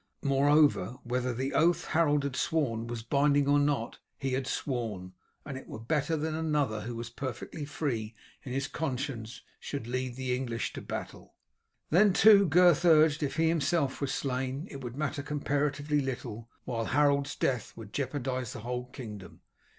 Moreover, whether the oath Harold had sworn was binding or not, he had sworn, and it were better that another who was perfectly free in his conscience should lead the English to battle. Then, too, Gurth urged, if he himself was slain, it would matter comparatively little, while Harold's death would jeopardize the whole kingdom.